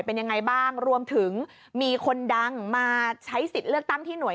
เป็นยังไงบ้างรวมถึงมีคนดังมาใช้สิทธิ์เลือกตั้งที่หน่วย